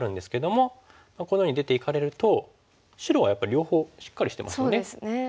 このように出ていかれると白はやっぱり両方しっかりしてますよね。